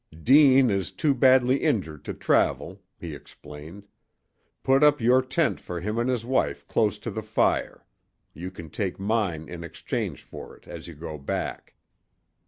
"Deane is too badly injured to travel," he explained, " Put up your tent for him and his wife close to the fire. You can take mine in exchange for it as you go back."